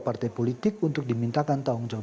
partai politik untuk dimintakan tanggung jawab